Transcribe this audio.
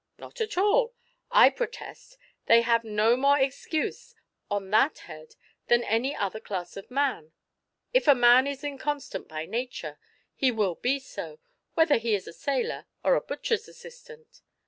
"Not at all; I protest they have no more excuse on that head than any other class of man. If a man is inconstant by nature, he will be so, whether he is a sailor or a butcher's assistant.